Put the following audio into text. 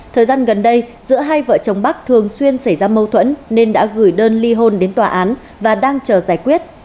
thời gian gần đây giữa hai vợ chồng bắc thường xuyên xảy ra mâu thuẫn nên đã gửi đơn ly hôn đến tòa án và đang chờ giải quyết